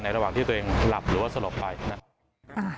ในระหว่างที่ตัวเองหลับหรือว่าสลบไป